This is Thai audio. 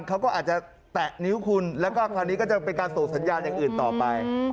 เขาก็อาจจะแตะนิ้วคุณแล้วก็คราวนี้ก็จะเป็นการส่งสัญญาณอย่างอื่นต่อไป